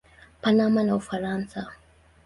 Panama na Ufaransa.